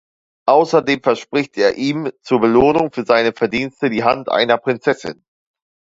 Außerdem verspricht er ihm zur Belohnung für seine Verdienste die Hand einer Prinzessin.